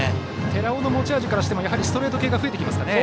寺尾の持ち味からしてもストレート系が増えてきますかね。